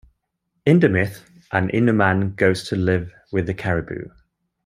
In the myth, an Innu man goes to live with the Caribou.